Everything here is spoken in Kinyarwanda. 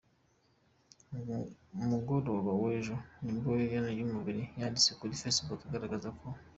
mugoroba wejo, nibwo Iryn Namubiru yanditse kuri facebook agaragaza ko.